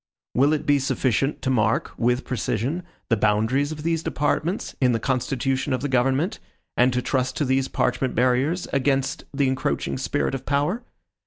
Will it be sufficient to mark, with precision, the boundaries of these departments, in the constitution of the government, and to trust to these parchment barriers against the encroaching spirit of power?